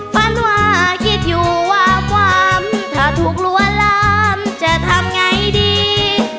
ฝันหว่าคิดอยู่หว่ำถ้าถูกรวรรมจะทำไงดี